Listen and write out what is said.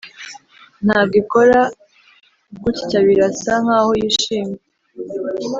ntabwo ikora gutyabirasa nkaho yishimye.